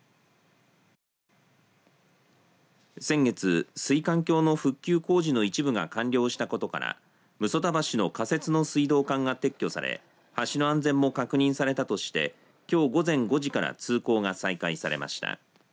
先月、水管橋の復旧工事の一部が完了したことから六十谷橋の仮設の水道管が撤去され橋の安全も確認されたとしてきょう午前５時から通行が再開されました。